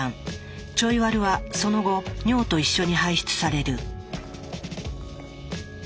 ちょいワルはその後尿と一緒に排出される。